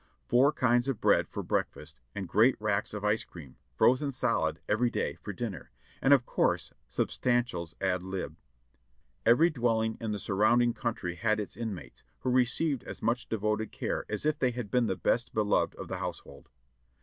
Four kinds of bread for breakfast, and great racks of ice cream, frozen solid, every day for dinner, and of course substantials ad lib. Every dwelling in the surrounding country had its inmates, Vvdio received as much devoted care as if they had been the best beloved of the household.